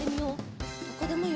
どこでもいいよ。